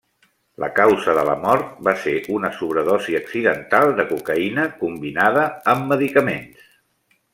La causa de la mort va ser una sobredosi accidental de cocaïna combinada amb medicaments.